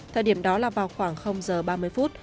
thời điểm đó là vào khoảng giờ ba mươi phút